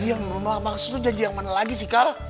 iya emang maksud lo janji yang mana lagi sih kal